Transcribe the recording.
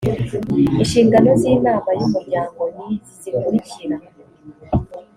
inshingano z inama y umuryango ni izi zikurikira